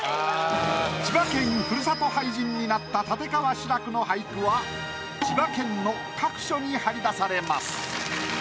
千葉県ふるさと俳人になった立川志らくの俳句は千葉県の各所に貼り出されます。